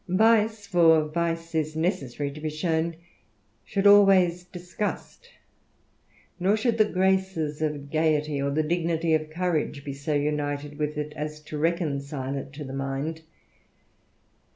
Vice, for vice is necessary to be shown, should always disgust ; nor should the graces of gaiety, or the dignity of courage, be so united with it, as to reconcile it to the mind.